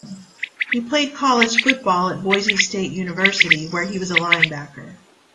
He played college football at Boise State University, where he was a linebacker.